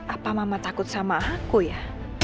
apa mama takut sama aku ya